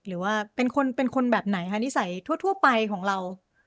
หรือว่าเป็นคนเป็นคนแบบไหนคะนิสัยทั่วไปของเรา